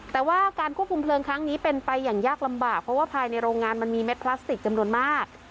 แต่ว่าการควบคุมเพลิงครั้งนี้เป็นไปอย่างยากลำบากเพราะว่าภายในโรงงานมันมีเม็ดพลาสติกจำนวนมาก